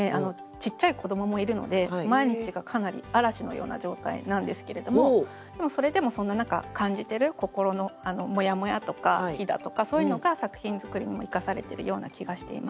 ちっちゃい子どももいるので毎日がかなり嵐のような状態なんですけれどもでもそれでもそんな中感じてる心のモヤモヤとかヒダとかそういうのが作品作りにも生かされてるような気がしています。